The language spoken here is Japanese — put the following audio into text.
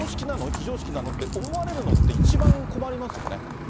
非常識なの？って思われるのって、一番困りますよね。